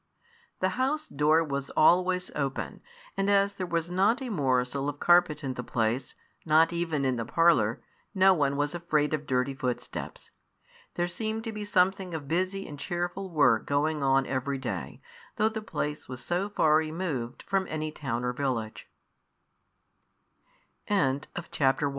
The house door was always open, and as there was not a morsel of carpet in the place, not even in the parlour, no one was afraid of dirty footsteps. There seemed to be something of busy and cheerful work going on every day, though the place was so far removed from